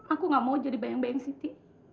aku gak mau jadi bayang bayang city